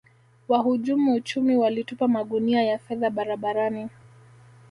wahujumu uchumi walitupa magunia ya fedha barabarani